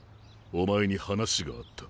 お前に話があった。